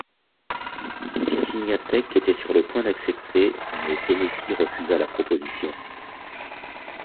Virginia Tech était sur le point d'accepter mais Tennessee refusa la proposition.